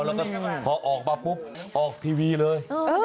แล้วก็พอออกมาปุ๊บออกทีวีเลย